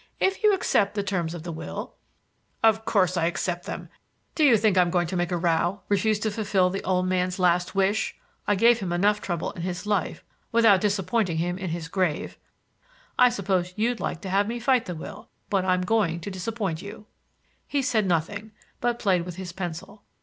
If you accept the terms of the will—" "Of course I accept them! Do you think I am going to make a row, refuse to fulfil that old man's last wish! I gave him enough trouble in his life without disappointing him in his grave. I suppose you'd like to have me fight the will; but I'm going to disappoint you." He said nothing, but played with his pencil.